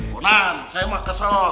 konan saya mah kesel